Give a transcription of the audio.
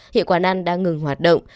hiệp quản ăn đã ngừng hoạt động